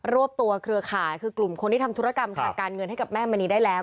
วบตัวเครือข่ายคือกลุ่มคนที่ทำธุรกรรมทางการเงินให้กับแม่มณีได้แล้ว